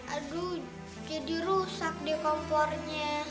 aduh jadi rusak deh kompornya